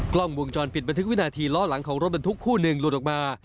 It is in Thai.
กล้องวงจรปิดบันทึกวินาทีล้อหลังของรถบรรทุกคู่หนึ่งหลุดออกมา